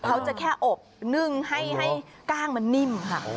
เขาจะแค่อบนึ่งให้กล้างมันนิ่มค่ะ